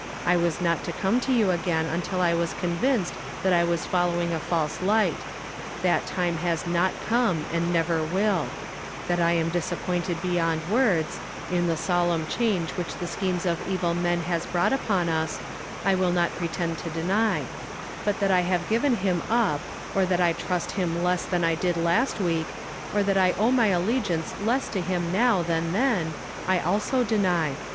I was not to come to you again until I was convinced that I was following a false light, mat time h?s not e me and never will. That X 1^ I! I >' HI Hi 324 YESTERDAY FKAMILD IN TO DAY. am disappointed beyond words, in the solemn change which the scliemes of evil ni n has broucrht upon us, I will not pretend to dei^j . But that 1 have given him up, or that I trust him less than I did last week, or that I owe my allegiance less to liim now than then, I also deny.